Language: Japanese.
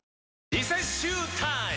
リセッシュータイム！